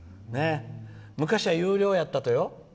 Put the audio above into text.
昔は有料やったとよ。